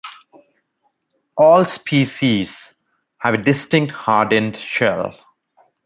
All species have a distinct hardened shell.